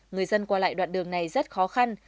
người dân qua lại đoạn đường này rất khó khăn